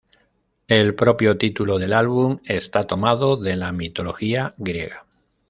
El propio título del álbum está tomado de la mitología griega.